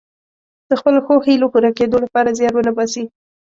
د خپلو ښو هیلو پوره کیدو لپاره زیار ونه باسي.